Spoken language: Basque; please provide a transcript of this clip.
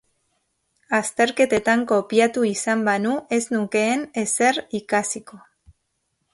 Azterketetan kopiatu izan banu ez nukeen ezer ikasiko.